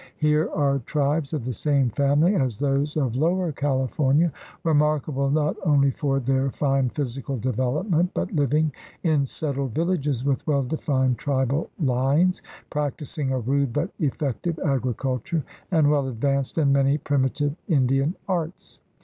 Here are tribes of the same family (as those of Lower California) remarkable not only for their fine physical development, but living in settled villages with well defined tribal lines, practising a rude, but effective, agriculture, and well advanced in many primitive Indian arts.